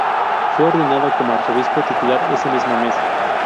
Fue ordenado como Arzobispo Titular ese mismo mes.